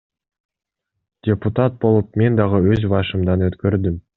Депутат болуп мен дагы өз башымдан өткөрдүм.